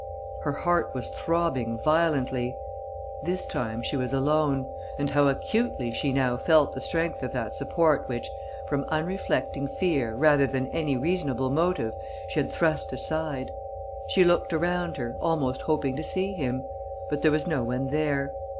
Her heart was throbbing violently. This time she was alone; and how acutely she now felt the strength of that support which, from unreflecting fear rather than any reasonable motive, she had thrust aside! She looked around her, almost hoping to see him. But there was no one there